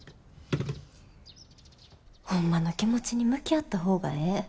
ホンマの気持ちに向き合った方がええ。